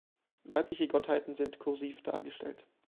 Weibliche Gottheiten sind "kursiv" dargestellt.